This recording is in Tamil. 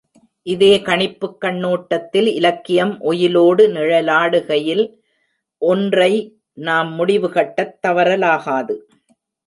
இதே கணிப்புக் கண்ணோட்டத்தில் இலக்கியம் ஒயிலோடு நிழலாடுகையில், ஒன்றை நாம் முடிவுகட்டத் தவறலாகாது.